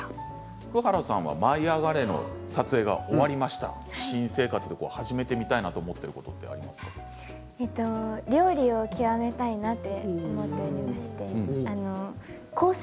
福原さんは「舞いあがれ！」の撮影が終わりまして、新生活始めてみたいと思っていること料理を極めたいなと思っておりましてコース